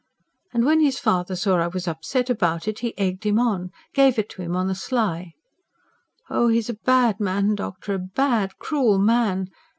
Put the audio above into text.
And when his father saw I was upset about it, he egged him on gave it to him on the sly. Oh, he is a bad man, doctor, a BAD, cruel man!